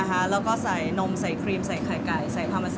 ตัวหลักที่ขันไม่ได้ใช่ไหม